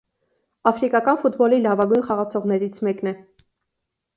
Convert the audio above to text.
Աֆրիկական ֆուտբոլի լավագույն խաղացողներից մեկն է։